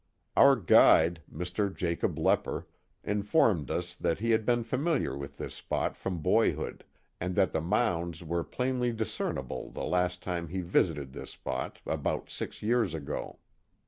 Our guide, Mr. Jacob Lepper, informed us that he had been familiar with this spot from boyhood, and that the mounds were plainly discernible the last time he visited this spot, about six years ago.